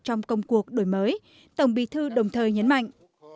trong công cuộc đổi mới tổng bí thư đồng thời nhấn mạnh